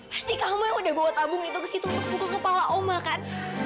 pasti kamu yang udah bawa tabung itu ke situ untuk buka kepala oma kan